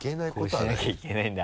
こうしなきゃいけないんだ。